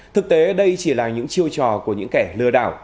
thực tế đây chỉ là những chiêu trò của những kẻ lừa đảo